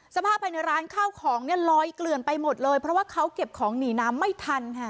สภาพภายในร้านข้าวของเนี่ยลอยเกลื่อนไปหมดเลยเพราะว่าเขาเก็บของหนีน้ำไม่ทันค่ะ